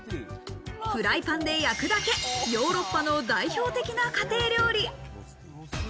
フライパンで焼くだけ、ヨーロッパの代表的な家庭料理。